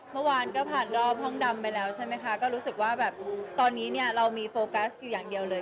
เมื่อวานก็ผ่านรอบห้องดำไปแล้วใช่ไหมคะก็รู้สึกว่าแบบตอนนี้เนี่ยเรามีโฟกัสอยู่อย่างเดียวเลย